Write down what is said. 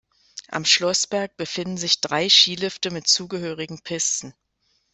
Am Schlossberg befinden sich drei Skilifte mit zugehörigen Pisten.